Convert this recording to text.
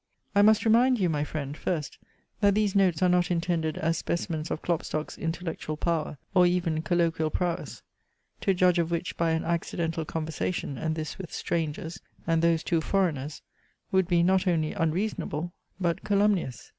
I must remind you, my friend, first, that these notes are not intended as specimens of Klopstock's intellectual power, or even "colloquial prowess," to judge of which by an accidental conversation, and this with strangers, and those too foreigners, would be not only unreasonable, but calumnious.